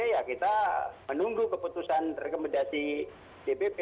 ya kita menunggu keputusan rekomendasi dpp